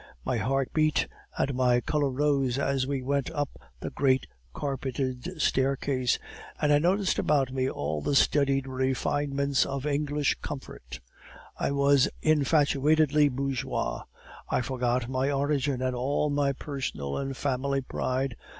My heart beat and my color rose as we went up the great carpeted staircase, and I noticed about me all the studied refinements of English comfort; I was infatuatedly bourgeois; I forgot my origin and all my personal and family pride.